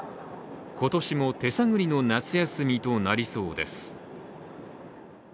今年も手探りの夏休みとなりそうです。